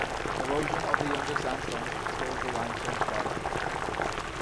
Erosion of the younger sandstones exposed the limestone strata.